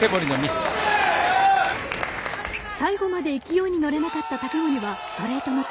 最後まで勢いに乗れなかった竹守はストレート負け。